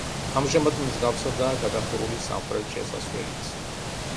ამჟამად მსგავსადაა გადახურული სამხრეთ შესასვლელიც.